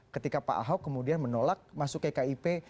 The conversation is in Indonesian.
ketika pak ahok kemudian menolak masuk kkip